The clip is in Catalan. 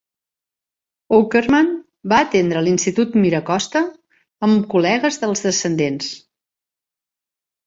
Aukerman va atendre l'institut Mira Costa, amb col·legues de els Descendents.